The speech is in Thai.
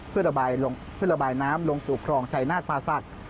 เพื่อระบายน้ำลงสู่คลองชัยนาฬปาศักดิ์